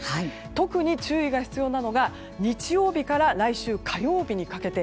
特に注意が必要なのが日曜日から来週火曜日にかけて。